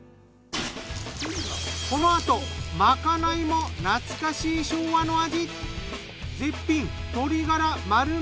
このあとまかないも懐かしい昭和の味。